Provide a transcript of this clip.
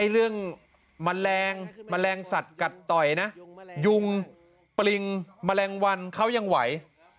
แมลงแมลงแมลงสัตว์กัดต่อยนะยุงปริงแมลงวันเขายังไหว